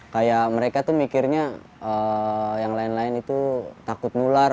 kayak mereka tuh mikirnya yang lain lain itu takut nular